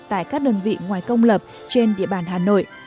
tại các đơn vị ngoài công lập trên địa bàn hà nội